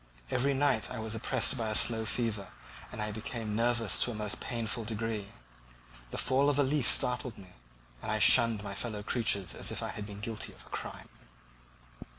Every night I was oppressed by a slow fever, and I became nervous to a most painful degree; the fall of a leaf startled me, and I shunned my fellow creatures as if I had been guilty of a crime.